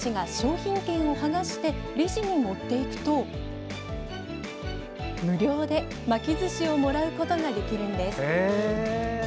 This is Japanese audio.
品券をはがしてレジに持っていくと無料で、巻きずしをもらうことができるんです。